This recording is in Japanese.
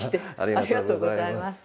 ありがとうございます。